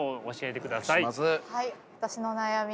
はい私の悩み